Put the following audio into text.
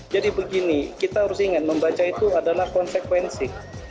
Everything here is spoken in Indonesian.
jadi begini kita harus ingat membaca itu adalah konsekuensi